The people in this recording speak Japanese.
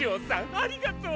ありがとう。